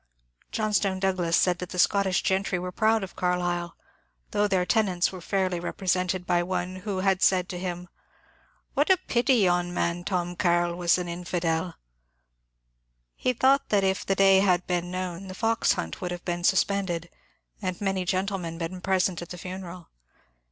Johnstone Douglas said the Scottish gentry were proud of Carlyle, though their tenants were fairly represented by one who had said to him, ^^ What a pity yon man Tom Caerl was an infidel !" He thought that if the day had been known, the fox himt would have been suspended, and many gentlemen been present at the fimeral.